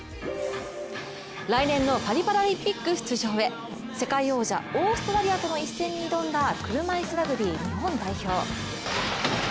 来年のパリ・パラリンピック出場へ世界王者オーストラリアとの一戦に挑んだ車いすラグビー日本代表。